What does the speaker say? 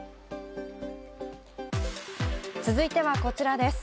続いては、こちらです。